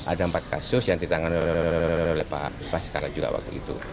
ada empat kasus yang ditangani oleh pak baskala juga waktu itu